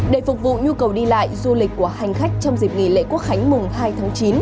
để phục vụ nhu cầu đi lại du lịch của hành khách trong dịp nghỉ lễ quốc khánh mùng hai tháng chín